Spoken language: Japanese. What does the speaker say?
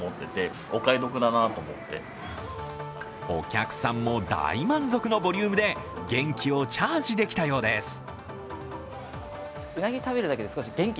お客さんも大満足のボリュームで元気をチャージできたようです。